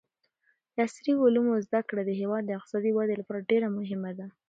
د عصري علومو زده کړه د هېواد د اقتصادي ودې لپاره ډېره مهمه ده.